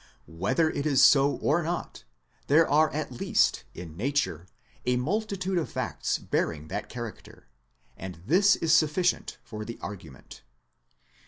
Whether it is so or not, there are at least in Nature a multitude of facts bear ARGUMENT OR A FIRST CAUSE 153 ing that character, and this is sufficient for the argu ment.